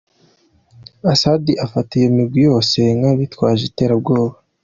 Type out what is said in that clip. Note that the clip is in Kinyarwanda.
Assad afata iyo migwi yose nk’abitwaje iterabwoba.